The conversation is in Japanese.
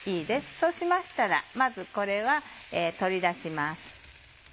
そうしましたらまずこれは取り出します。